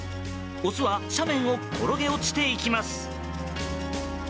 オスは斜面を転げ落ちていきます。